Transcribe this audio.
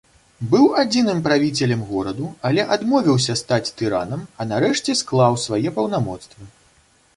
Быў адзіным правіцелем гораду, але адмовіўся стаць тыранам, а нарэшце склаў свае паўнамоцтвы.